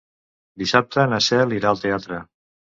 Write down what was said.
Dissabte na Cel irà al teatre.